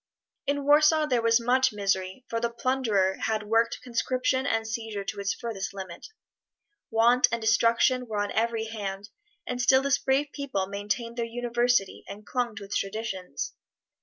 In Warsaw there was much misery, for the plunderer had worked conscription and seizure to its furthest limit. Want and destitution were on every hand, but still this brave people maintained their University and clung to its traditions.